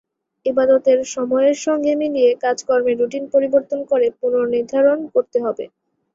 ইবাদতের সময়ের সঙ্গে মিলিয়ে কাজকর্মের রুটিন পরিবর্তন করে পুনর্নির্ধারণ করতে হবে।